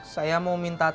saya mau minta tawaran